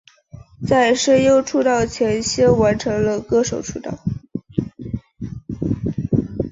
在声优出道前先完成了歌手出道。